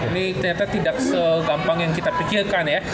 ini ternyata tidak segampang yang kita pikirkan ya